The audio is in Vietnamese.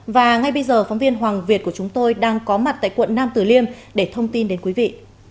và ngay bây giờ phóng viên hoàng việt của chúng tôi đang có mặt tại quận nam tử liêm để thông tin đến quý vị